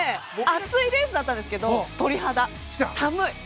熱いレースだったんですけど鳥肌、寒い！